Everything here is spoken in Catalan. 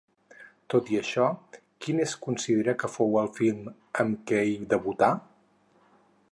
Tot i això, quin es considera que fou el film amb què hi debutà?